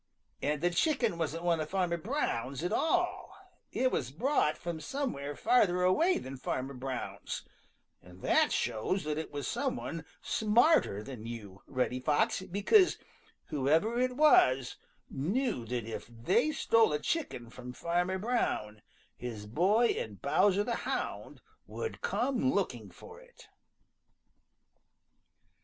And the chicken wasn't one of Farmer Brown's at all; it was brought from somewhere farther away than Farmer Brown's, and that shows that it was some one smarter than you, Reddy Fox, because whoever it was knew that if they stole a chicken from Farmer Brown, his boy and Bowser the Hound, would come looking for it."